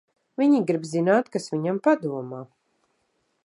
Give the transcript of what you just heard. Viņi grib zināt, kas viņam padomā.